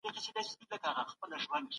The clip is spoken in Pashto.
تاسو لومړی د علم په اړه بحث وکړئ.